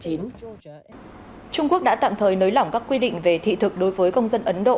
trung quốc đã tạm thời nới lỏng các quy định về thị thực đối với công dân ấn độ